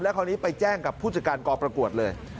คราวนี้ไปแจ้งกับผู้จัดการกอประกวดเลย